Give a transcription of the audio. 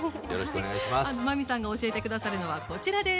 真海さんが教えて下さるのはこちらです。